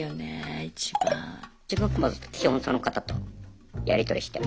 自分は基本その方とやり取りして。